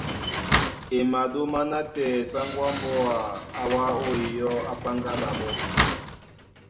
E maɗóma nátɛɛ sáŋgó á mbóa á wá ó iyɔ́, á páŋgá ɓaɓɔ́.